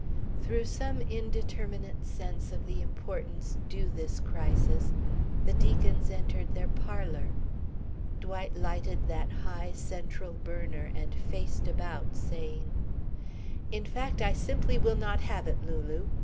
Through some indeterminate sense of the importance due this crisis, the Deacons entered their parlour. Dwight lighted that high, central burner and faced about, saying: "In fact, I simply will not have it, Lulu!